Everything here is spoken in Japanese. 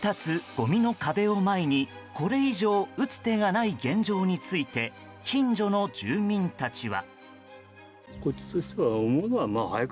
ごみの壁を前にこれ以上打つ手がない現状について近所の住民たちは。